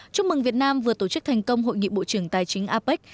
chúc mừng việt nam vừa tổ chức thành công hội nghị bộ trưởng tài chính apec